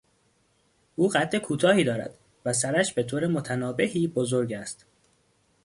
او قد کوتاهی دارد و سرش به طور متنابهی بزرگ است.